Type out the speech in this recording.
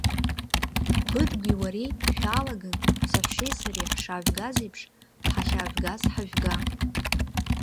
Быдгәи уареи, шәаалаган, саҳәшьеи сареи, ҳшаажәгаз еиԥш, ҳахьаажәгаз ҳажәга!